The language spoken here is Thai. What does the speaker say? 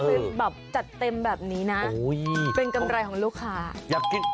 คือแบบจัดเต็มแบบนี้นะเป็นกำไรของลูกค้าอยากกิน